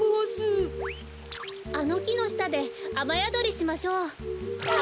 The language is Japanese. あのきのしたであまやどりしましょう。わ！